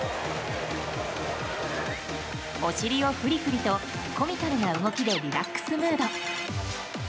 お尻をフリフリとコミカルな動きでリラックスムード。